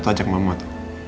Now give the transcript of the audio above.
atau ajak mamat